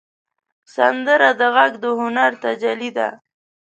سندره د غږ د هنر تجلی ده